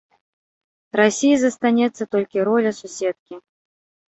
Расіі застанецца толькі роля суседкі.